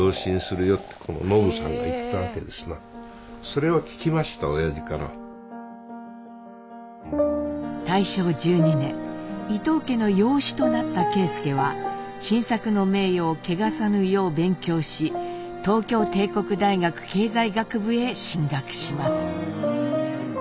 それはですね大正１２年伊藤家の養子となった啓介は新作の名誉を汚さぬよう勉強し東京帝国大学経済学部へ進学します。